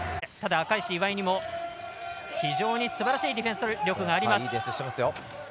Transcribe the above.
赤石、岩井にもすばらしいディフェンス力があります。